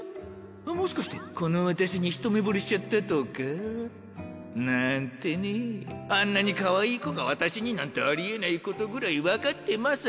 もしかしてこの私にひと目惚れしちゃったとか？なんてねあんなにかわいい子が私になんてありえないことくらいわかってます。